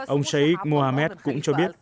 ông sheikh mohammed cũng cho biết